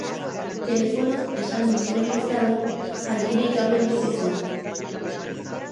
Telefonoz esan nizuen bezala, argirik gabe bizi zen.